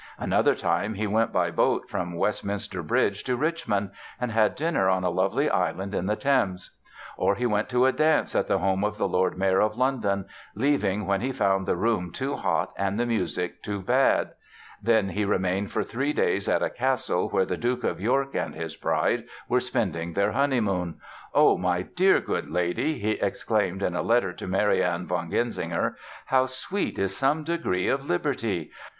Another time he went by boat from Westminster Bridge to Richmond and had dinner on a lovely island in the Thames; or he went to a dance at the home of the Lord Mayor of London, leaving when he found the room too hot and the music too bad; then he remained for three days at a castle where the Duke of York and his bride were spending their honeymoon. "Oh, my dear good lady", he exclaimed in a letter to Marianne von Genzinger, "how sweet is some degree of liberty!